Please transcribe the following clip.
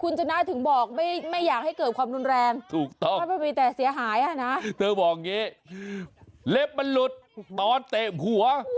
เล็กมันหลุดตอนเตะหัว